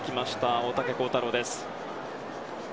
大竹耕太郎です。